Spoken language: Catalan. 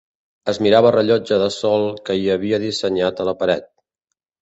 Es mirava el rellotge de sol que hi havia dissenyat a la paret